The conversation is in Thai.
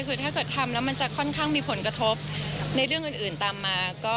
คือถ้าเกิดทำแล้วมันจะค่อนข้างมีผลกระทบในเรื่องอื่นตามมา